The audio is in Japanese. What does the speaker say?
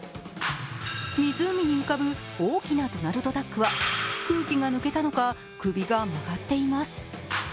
湖に浮かぶ大きなドナルドダックは空気が抜けたのか首が曲がっています。